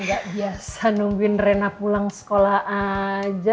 gaya gak biasa nungguin raina pulang sekolah aja